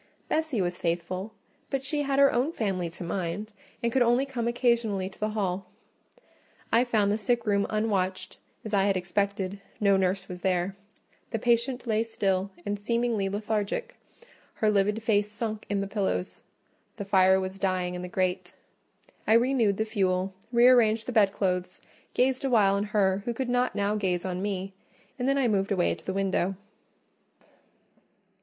Bessie was faithful; but she had her own family to mind, and could only come occasionally to the hall. I found the sick room unwatched, as I had expected: no nurse was there; the patient lay still, and seemingly lethargic; her livid face sunk in the pillows: the fire was dying in the grate. I renewed the fuel, re arranged the bedclothes, gazed awhile on her who could not now gaze on me, and then I moved away to the window.